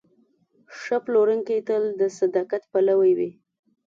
ښه پلورونکی تل د صداقت پلوی وي.